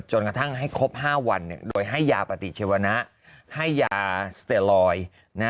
จนกระทั่งให้ครบ๕วันโดยให้ยาปฏิชีวนะให้ยาสเตอลอย